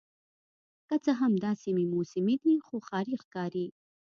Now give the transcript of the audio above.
که څه هم دا سیمې موسمي دي خو ښاري ښکاري